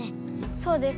そうです。